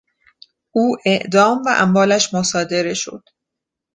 او اعدام و اموالش مصادره شد.